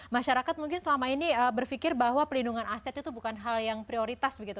masyarakat mungkin selama ini berpikir bahwa pelindungan aset itu bukan hal yang prioritas begitu